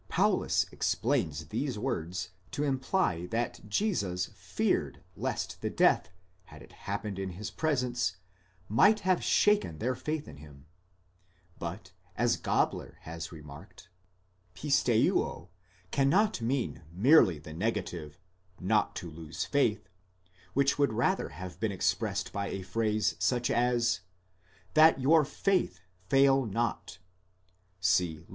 Paulus explains these words to imply that Jesus feared lest the death, had it happened in his presence, might have shaken their faith in him; but, as Gabler has remarked, πιστεύω cannot mean merely the negative: ot to lose faith, which would rather have been expressed by a phrase such as: iva μὴ ἐκλείπῃ ἣ πίστις ὑμῶν, that your faith fail not (see Luke xxii.